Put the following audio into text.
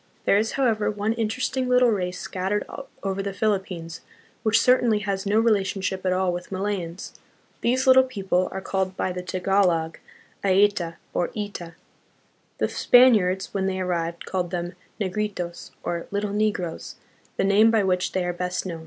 There is, however, one interesting little race scattered over the Philippines, which certainly has no relationship at all with Malayans. These little people are called by the Tagalog, "Aeta" or "Ita." The Spaniards, when they arrived, called them "Negritos," or "little negroes," the name by which they are best known.